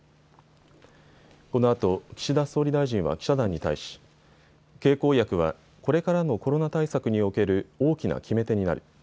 このあと岸田総理大臣は記者団に対し経口薬はこれからのコロナ対策における大きな決め手になる。